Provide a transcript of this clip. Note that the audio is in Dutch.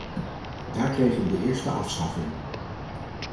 Daar kregen we de eerste afstraffing.